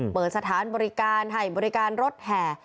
เปิดสถานบริการให้บริการรถแห่